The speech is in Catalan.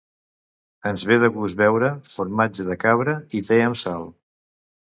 Ens ve de gust veure "Formatge de cabra i te amb sal".